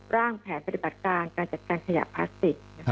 แผนปฏิบัติการการจัดการขยะพลาสติก